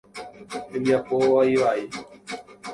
Hembiapo vaivai.